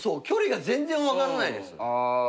距離が全然分からないです。